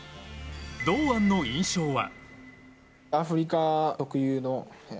堂安の印象は。